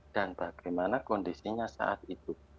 dan bagaimana kondisinya saat itu